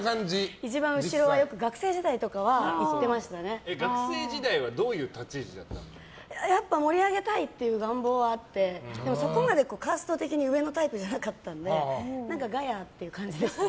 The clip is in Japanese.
一番後ろは、学生時代は学生時代はやっぱり盛り上げたいっていう願望はあってそこまでカースト的に上のタイプじゃなかったのでガヤっていう感じでしたね。